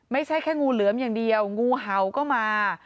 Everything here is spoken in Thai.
ไม่ใช่แค่งูเหลือมอย่างเดียวงูเห่าก็มา